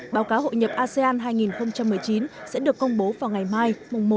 báo cáo hội nhập asean hai nghìn một mươi chín sẽ được công bố vào ngày mai một